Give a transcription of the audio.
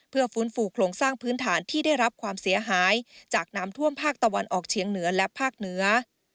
เพื่อฟื้นฟูโครงสร้างพื้นฐานที่ได้รับความเสียหายจากน้ำท่วมภาคตะวันออกเฉียงเหนือและภาคเหนือ